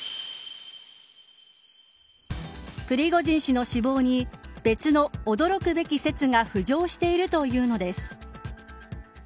プリゴジン氏の死亡に別の驚くべき説が浮上しているというのです。